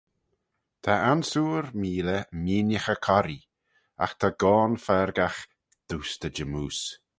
Ta ansoor meeley meeinaghey corree: agh ta goan fargagh doostey jymmoose.